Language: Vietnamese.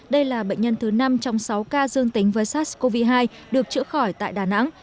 đây là bệnh nhân thứ năm trong sáu ca dương tính với sars cov hai được chữa khỏi tại đà nẵng